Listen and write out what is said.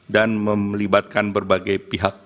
dan memelibatkan berbagai pihak